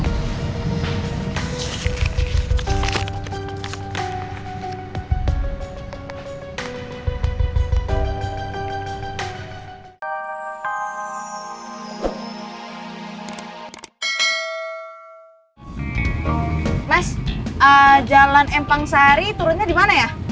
mas jalan empang sari turunnya dimana ya